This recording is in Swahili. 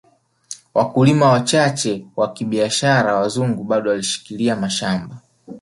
Wakulima wachache wa kibiashara wazungu bado walishikilia mashamba